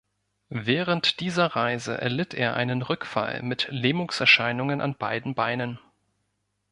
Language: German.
Während dieser Reise erlitt er einen Rückfall mit Lähmungserscheinungen an beiden Beinen.